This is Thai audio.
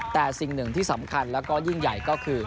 แต่สิ่งหนึ่งที่สำคัญแล้วก็ยิ่งใหญ่ก็คือ